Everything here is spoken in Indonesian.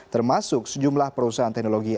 termasuk sejumlah perusahaan teknologi